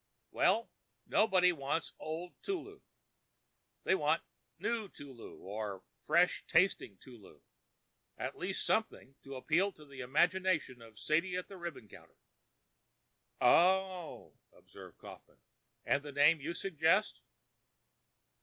"Well, nobody wants 'Old Tulu.' They want 'New Tulu' or 'Fresh Tasty Tulu.' At least, something to appeal to the imagination of Sadie at the ribbon counter." "Oh!" observed Houghton. "And the name you suggest?"